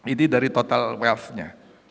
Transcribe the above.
itu dari total wealth nya